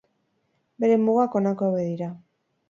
Bere mugak, honako hauek dira.